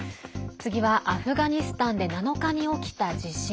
次はアフガニスタンで７日に起きた地震。